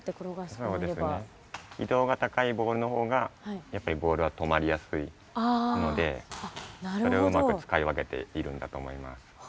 きどうが高いボールのほうがやっぱりボールは止まりやすいのでそれをうまく使い分けているんだと思います。